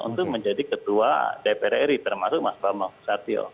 untuk menjadi ketua dpr ri termasuk mas bambang susatyo